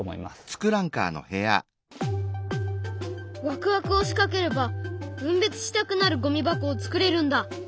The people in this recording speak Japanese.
ワクワクを仕掛ければ分別したくなるゴミ箱を作れるんだ。